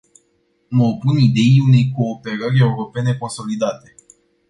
Mă opun ideii unei cooperări europene consolidate.